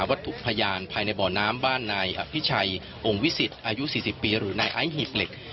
วัตถุพยานภายในบ่อน้ำบ้านนายอภิชัยองค์วิสิตอายุ๔๐ปีหรือนายไอซ์หีบเหล็ก